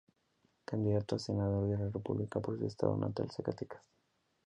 Candidato a Senador de la República por su estado natal, Zacatecas.